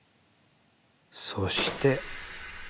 そして。